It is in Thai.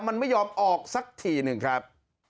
มันไม่ยอมออกสักทีหนึ่งครับ